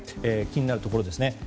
気になるところですね。